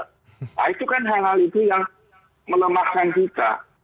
nah itu kan hal hal itu yang melemahkan kita